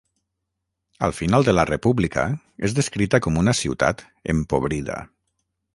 Al final de la república és descrita com una ciutat empobrida.